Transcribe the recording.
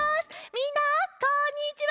みんなこんにちは。